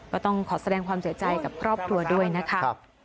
ก็ต้องขอแสดงความเสียใจกับครอบครัวด้วยนะคะ